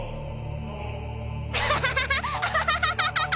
アハハハハ！